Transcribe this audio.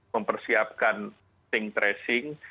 mempersiapkan testing tracing